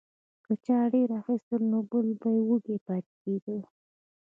که چا ډیر اخیستل نو بل به وږی پاتې کیده.